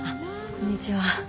こんにちは。